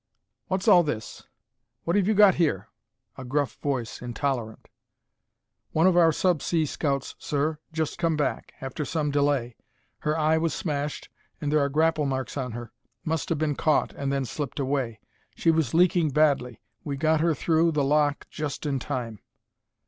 "What's all this? What have you got here?" A gruff voice, intolerant. "One of our sub sea scouts, sir. Just come back, after some delay. Her eye was smashed, and there are grapple marks on her. Must have been caught, and then slipped away. She was leaking badly. We got her through the lock just in time."